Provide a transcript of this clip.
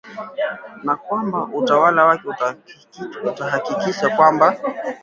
na kwamba utawala wake utahakikisha kwamba